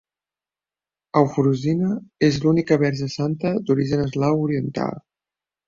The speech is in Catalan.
Eufrosina és l'única verge santa d'origen eslau oriental.